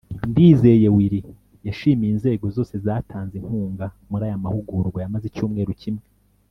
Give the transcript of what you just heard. Ndizeye Willy yashimiye inzego zose zatanze inkuga muri aya mahugurwa yamaze icyumweru kimwe